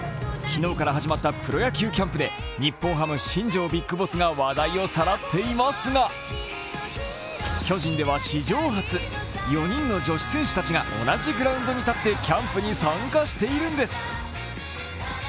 昨日から始まったプロ野球キャンプで日本ハム・新庄ビッグボスが話題をさらっていますが巨人では史上初、４人の女子選手たちが同じグラウンドに立ってキャンプに参加しているんです。